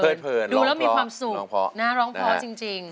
ได้มีความสุขร้องเพราะจริง